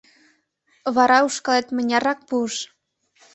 — Вара ушкалет мыняррак пуыш?